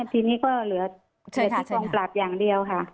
ทีนี้ก็เหลือที่กองปราบอย่างเดียวค่ะ